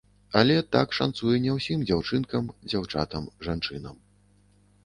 Але так шанцуе не ўсім дзяўчынкам, дзяўчатам, жанчынам.